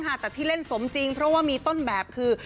แต่ที่เล่นสมจริงเพราะว่ามีต้นแบบคือ